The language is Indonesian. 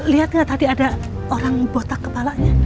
lihat nggak tadi ada orang botak kepalanya